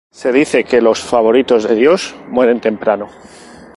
Se dice que los favoritos de Dios mueren temprano.